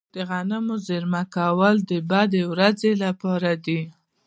د غنمو زیرمه کول د بدې ورځې لپاره دي.